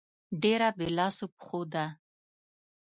ډېره بې لاسو پښو ده.